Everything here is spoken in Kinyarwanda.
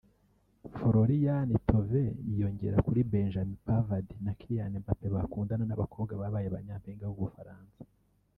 Florian Thauvin yiyongera kuri Benjamin Pavard na Kylian Mbappe bakundana n’abakobwa babaye ba nyampinga b’Ubufaransa